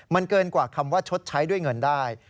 มันเกินกว่าคำว่าชดใช้ด้วยเงินได้